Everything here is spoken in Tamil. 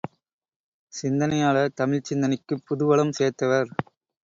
சிந்தனையாளர் தமிழ்ச் சிந்தனைக்குப் புதுவளம் சேர்த்தவர்.